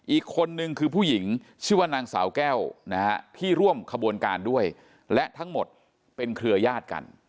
อีกคนนึงคือผู้หญิงชื่อว่านางสาวแก้วนะฮะที่ร่วมขบวนการด้วยและทั้งหมดเป็นเครือยาศกัน